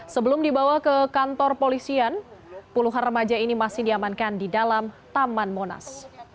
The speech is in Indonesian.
sebelum dibawa ke kantor polisian puluhan remaja ini masih diamankan di dalam taman monas